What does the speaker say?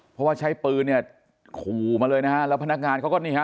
เพราะว่าใช้ปืนเนี่ยขู่มาเลยนะฮะแล้วพนักงานเขาก็นี่ฮะ